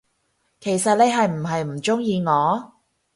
其實你係唔係唔鍾意我，？